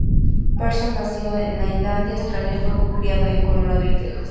Parsons nació en Adelaida, Australia pero fue criado en Colorado y Texas.